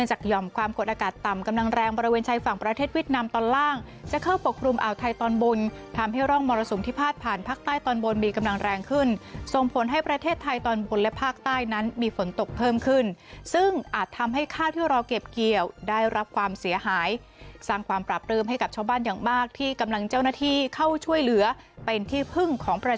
จากหย่อมความกดอากาศตำกำแรงบริเวณชายฝั่งประเทศวิทยาลังตอนล่างจะเข้าปกครุมอ่าวไทยตอนบนทำให้ร่องมรสุมที่พาดผ่านภาคใต้ตอนบนมีกำลังแรงขึ้นส่งผลให้ประเทศไทยตอนบนและภาคใต้นั้นมีฝนตกเพิ่มขึ้นซึ่งอาจทำให้ข้าวที่รอเก็บเกี่ยวได้รับความเสียหายสร้าง